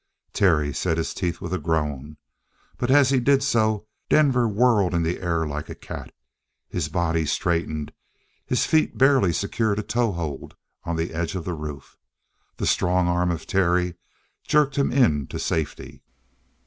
Terry set his teeth with a groan, but as he did so, Denver whirled in the air like a cat. His body straightened, his feet barely secured a toehold on the edge of the roof. The strong arm of Terry jerked him in to safety.